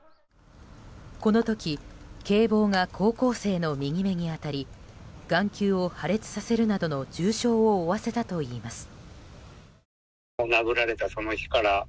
この時、警棒が高校生の右目に当たり眼球を破裂させるなどの重傷を負わせたといいます。